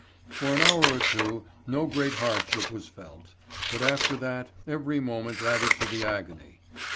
For an hour or two no great hardship was felt, but after that every moment added to the agony.